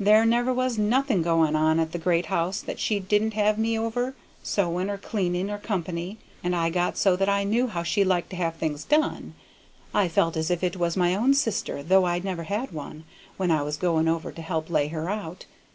There never was nothing going on at the great house that she didn't have me over, sewing or cleaning or company; and I got so that I knew how she liked to have things done. I felt as if it was my own sister, though I never had one, when I was going over to help lay her out.